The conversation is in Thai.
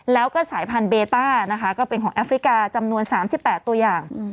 แล้วก็สายพันธุเบต้านะคะก็เป็นของแอฟริกาจำนวน๓๘ตัวอย่าง